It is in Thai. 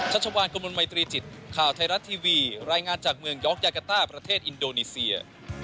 ชัชวานกมลมัยตรีจิตข่าวไทยรัฐทีวีรายงานจากเมืองยอกยากาต้าประเทศอินโดนีเซีย